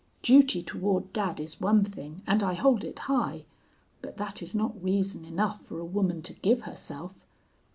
Duty toward dad is one thing, and I hold it high, but that is not reason enough for a woman to give herself.